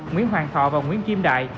nguyễn hoàng thọ và nguyễn kim đại